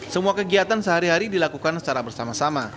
semua kegiatan sehari hari dilakukan secara bersama sama